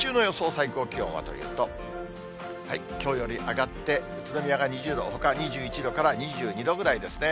最高気温はというと、きょうより上がって、宇都宮が２０度、ほか２１度から２２度ぐらいですね。